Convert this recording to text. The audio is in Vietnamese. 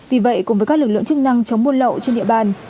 vì vậy cùng với các lực lượng chức năng chống buôn lậu trên địa bàn